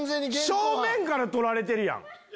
正面から撮られてるやん！